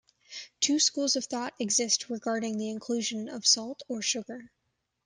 Two schools of thought exist regarding the inclusion of salt or sugar.